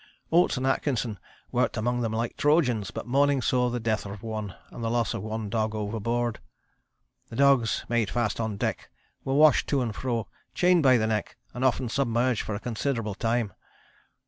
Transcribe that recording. Oates and Atkinson worked among them like Trojans, but morning saw the death of one, and the loss of one dog overboard. The dogs, made fast on deck, were washed to and fro, chained by the neck, and often submerged for a considerable time.